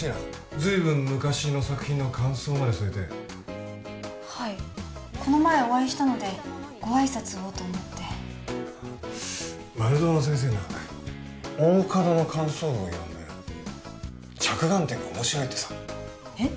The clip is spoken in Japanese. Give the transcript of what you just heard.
ずいぶん昔の作品の感想まで添えてはいこの前お会いしたのでご挨拶をと思って丸園先生な大加戸の感想文を読んで着眼点が面白いってさえっ？